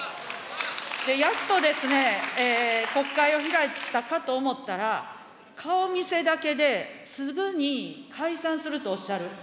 やっとですね、国会を開いたかと思ったら、顔見せだけで、すぐに解散するとおっしゃる。